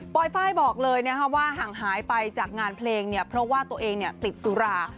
ไฟล์บอกเลยว่าห่างหายไปจากงานเพลงเนี่ยเพราะว่าตัวเองติดสุรา